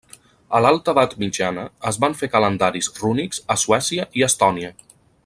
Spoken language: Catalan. A l'alta edat mitjana, es van fer calendaris rúnics a Suècia i Estònia.